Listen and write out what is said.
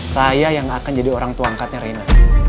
saya yang akan jadi orang tua angkatnya rina